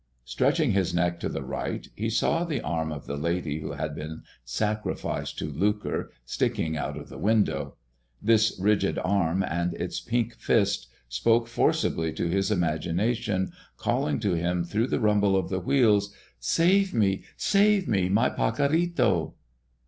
Stretching his neck to the right, he saw the arm of the lady who had been sacrificed to lucre sticking out of the window. This rigid arm and its pink fist spoke forcibly to his imagination, calling to him through the rumble of the wheels: "Save me, save me, my Pacorrito!"